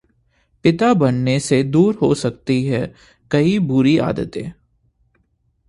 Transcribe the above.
पिता बनने से दूर हो सकती हैं कई बुरी आदतें